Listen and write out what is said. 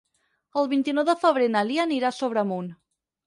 El vint-i-nou de febrer na Lia anirà a Sobremunt.